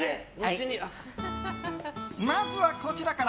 まずはこちらから。